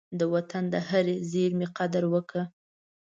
د وطن د هرې زېرمي قدر وکړه.